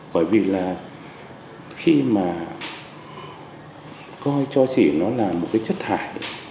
bởi vì là khi mà coi cho xỉ nó là một cái chất thải